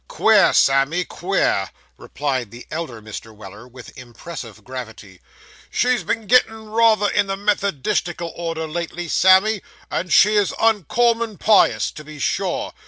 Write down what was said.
'Queer, Sammy, queer,' replied the elder Mr. Weller, with impressive gravity. 'She's been gettin' rayther in the Methodistical order lately, Sammy; and she is uncommon pious, to be sure.